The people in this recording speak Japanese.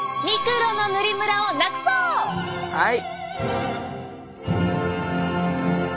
はい。